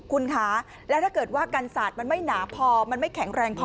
คุณคะแล้วถ้าเกิดว่ากันศาสตร์มันไม่หนาพอมันไม่แข็งแรงพอ